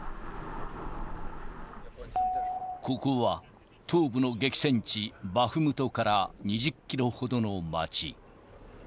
ここは東部の激戦地バフムトから２０キロほどの街。